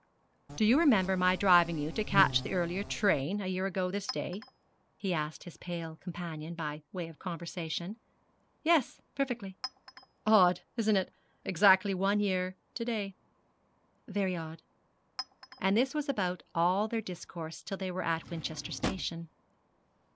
'Do you remember my driving you to catch the earlier train, a year ago this day?' he asked his pale companion, by way of conversation. 'Yes, perfectly.' 'Odd, isn't it? exactly one year to day.' 'Very odd.' And this was about all their discourse till they were at Winchester Station.